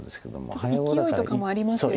ちょっといきおいとかもありますよね。